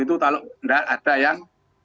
kalau tidak ada yang